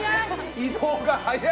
移動が速い。